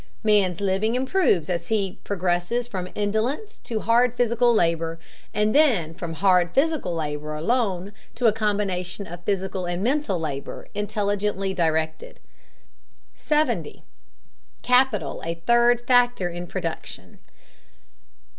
Man's living improves as he progresses from indolence to hard physical labor, then from hard physical labor alone to a combination of physical and mental labor intelligently directed. 70. CAPITAL A THIRD FACTOR IN PRODUCTION.